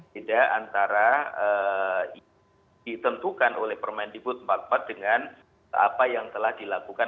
tidak antara ditentukan oleh permendikbud pak pat dengan apa yang telah dilakukan